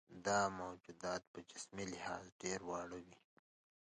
دا موجودات په جسمي لحاظ ډېر واړه وي.